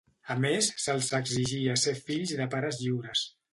A més, se'ls exigia ser fills de pares lliures.